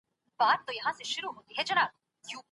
ولي هوډمن سړی د با استعداده کس په پرتله ډېر مخکي ځي؟